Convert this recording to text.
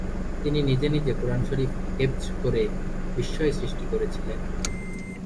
তিনি নিজে নিজে কোরআন শরীফ হিফজ করে বিস্ময় সৃষ্টি করেছিলেন।